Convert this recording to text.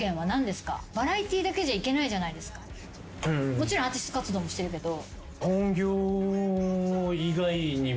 もちろんアーティスト活動もしてるけど。